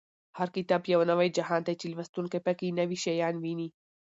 هر کتاب یو نوی جهان دی چې لوستونکی په کې نوي شیان ویني.